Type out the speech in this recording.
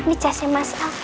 ini jasnya mas al